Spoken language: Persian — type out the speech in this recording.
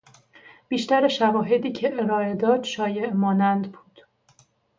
بیشتر شواهدی که ارائه داد شایعه مانند بود.